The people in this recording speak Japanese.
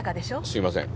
すいません。